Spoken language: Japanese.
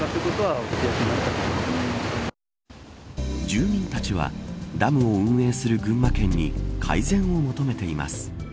住民たちはダムを運営する群馬県に改善を求めています。